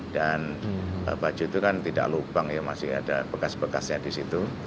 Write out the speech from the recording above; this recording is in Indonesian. dan baju itu kan tidak lubang ya masih ada bekas bekasnya di situ